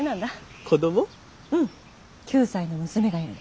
うん９歳の娘がいるの。